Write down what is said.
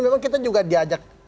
memang kita juga diajak